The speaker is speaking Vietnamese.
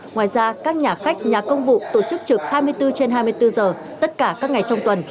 ngoài ra các nhà khách nhà công vụ tổ chức trực hai mươi bốn trên hai mươi bốn giờ tất cả các ngày trong tuần